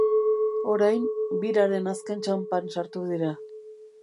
Orain, biraren azken txanpan sartu dira.